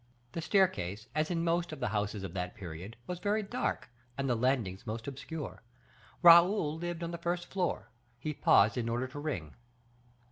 The staircase, as in most of the houses at that period, was very dark, and the landings most obscure. Raoul lived on the first floor; he paused in order to ring.